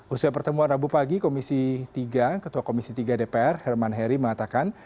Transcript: usia pertemuan rabu pagi komisi tiga ketua komisi tiga dpr herman heri mengatakan